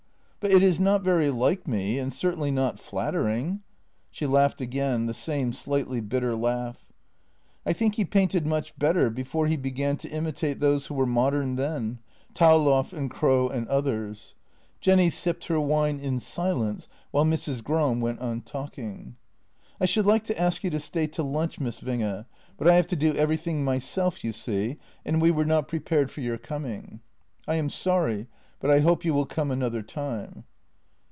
— but it is not very like me, and certainly not flattering." She laughed again, the same slightly bitter laugh. " I think he painted much better before he began to imitate those who were modern then — Thaulow and Krogh and others." Jenny sipped her wine in silence while Mrs. Gram went on talking. " I should like to ask you to stay to lunch, Miss Winge, but I have to do everything myself, you see, and we were not JENNY 133 prepared for your coming. I am sorry, but I hope you will come another time."